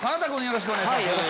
よろしくお願いします。